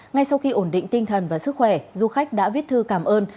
ngay sau khi ổn định tinh thần và sức khỏe du khách đã viết thư cảm ơn